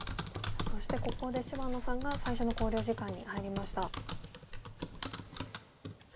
そしてここで芝野さんが最初の考慮時間に入りました。